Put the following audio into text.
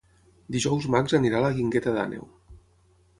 Dijous en Max anirà a la Guingueta d'Àneu.